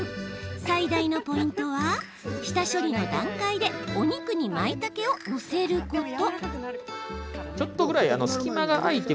最大のポイントは下処理の段階でお肉にまいたけを載せること。